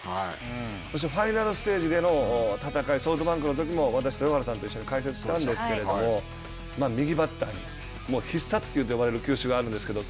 そして、ファイナルステージでの戦い、ソフトバンクのときも私、豊原さんと解説したんですけど右バッターに、必殺球と呼ばれる球種があるんですけれども。